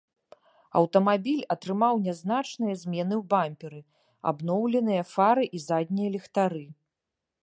Аўтамабіль атрымаў нязначныя змены ў бамперы, абноўленыя фары і заднія ліхтары.